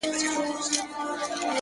o زه د یویشتم قرن ښکلا ته مخامخ یم،